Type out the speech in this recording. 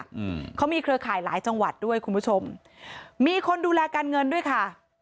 อืมเขามีเครือข่ายหลายจังหวัดด้วยคุณผู้ชมมีคนดูแลการเงินด้วยค่ะ